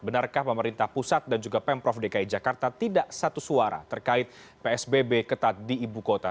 benarkah pemerintah pusat dan juga pemprov dki jakarta tidak satu suara terkait psbb ketat di ibu kota